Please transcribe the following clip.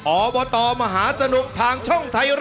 ออกออกออกออกออกออกออกออกออก